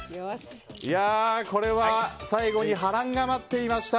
これは最後に波乱が待っていました。